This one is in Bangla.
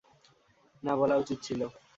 না বলা উচিত ছিল!